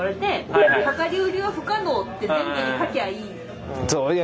「量り売りは不可能」って全部に書きゃいい。